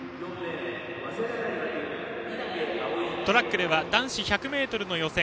トラックでは男子１００ｍの予選